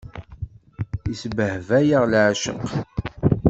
Isbehba-yaɣ leεceq.